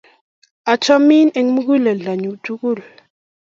Achamin eng' muguleldanyun tukul.